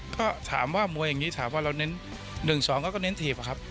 ก็ถามว่ามวยอย่างนี้ถามว่าเราเน้น๑๒เขาก็เน้นถีบอะครับ